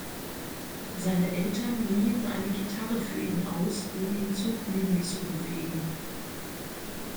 Seine Eltern liehen eine Gitarre für ihn aus, um ihn zum Üben zu bewegen.